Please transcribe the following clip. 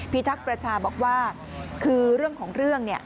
ทักษ์ประชาบอกว่าคือเรื่องของเรื่องเนี่ย